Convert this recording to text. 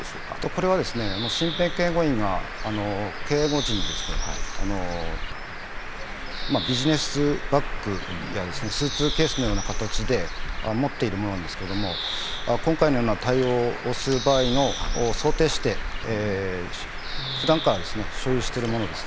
これは身辺警護員が警護時にビジネスバッグ、スーツケースのような形で持っているものなんですけど、今回のような対応をする場合を想定して普段からですね、所有しているものです。